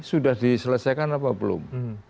sudah diselesaikan apa belum